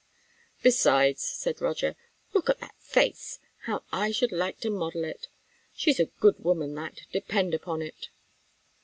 "Besides," said Roger, "look at that face! How I should like to model it. She's a good woman that, depend upon it."